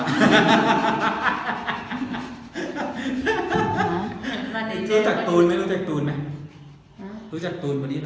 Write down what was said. ตอนนี้ป้าเดินชนะตูนเรียบร้อย